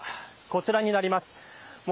こちらになります。